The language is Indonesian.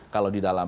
kalau di dalam islam